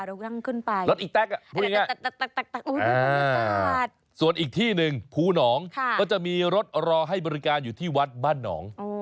ส่วนอีกที่หนึ่งภูหนองก็จะมีรถรอให้บริการอยู่ที่วัดบ้านหนอง